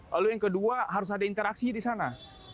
lalu yang kedua harus ada interaksinya di sana